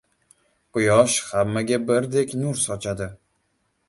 • Quyosh hammaga birdek nur sochadi.